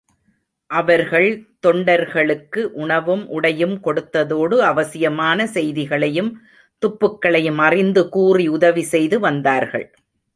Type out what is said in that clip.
அவர்கள் தொண்டர்களுக்கு உணவும் உடையும் கொடுத்ததோடு அவசியமான செய்திகளையும் துப்புகளையும் அறிந்து கூறி உதவி செய்து வந்தார்கள்.